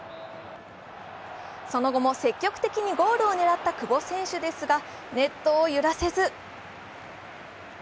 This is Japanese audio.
その後も積極的にゴールを狙った久保選手ですが、ネットを揺らせず。